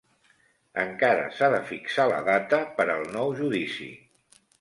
Encara s'ha de fixar la data per al nou judici.